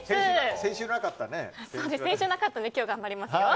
先週なかったので頑張りますよ。